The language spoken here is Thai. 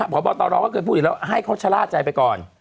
พบตรก็เคยพูดอยู่แล้วให้เขาชะล่าใจไปก่อน